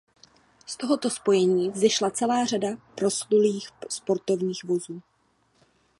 Z tohoto spojení vzešla celá řada proslulých sportovních vozů.